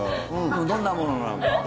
どんなものなのか。